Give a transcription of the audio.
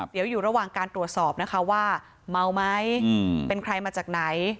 เดี๋ยวอยู่ระหว่างการตรวจสอบนะคะว่าเมาไหมเป็นใครมาจากไหน